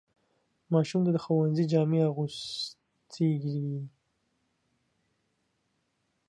ماشوم د ښوونځي جامې اغوستېږي.